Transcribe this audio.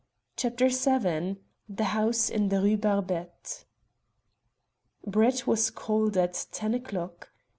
CHAPTER VII THE HOUSE IN THE RUE BARBETTE Brett was called at ten o'clock.